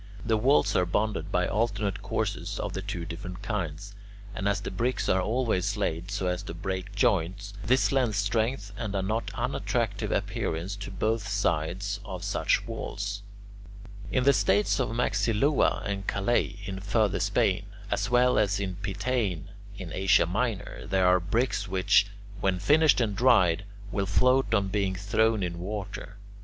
The walls are bonded by alternate courses of the two different kinds, and as the bricks are always laid so as to break joints, this lends strength and a not unattractive appearance to both sides of such walls. [Illustration: VITRUVIUS' BRICK BOND ACCORDING TO REBER] In the states of Maxilua and Callet, in Further Spain, as well as in Pitane in Asia Minor, there are bricks which, when finished and dried, will float on being thrown into water.